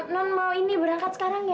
non mau ini berangkat sekarang ya